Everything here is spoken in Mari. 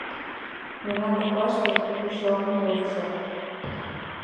— Мемнан коклаште почеламут возышат уло.